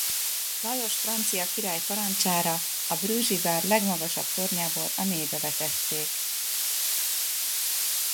Lajos francia király parancsára a bruggei vár legmagasabb tornyából a mélybe vetették.